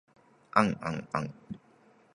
あんあんあ ｎ